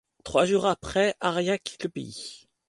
Trois jours après, Arias quitte le pays.